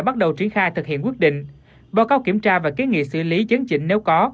báo cáo kiểm tra và ký nghị xử lý chấn chỉnh nếu có